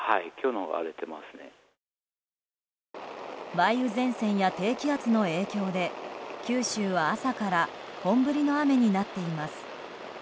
梅雨前線や低気圧の影響で九州は朝から本降りの雨になっています。